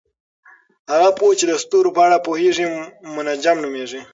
هغه پوه چې د ستورو په اړه پوهیږي منجم نومیږي.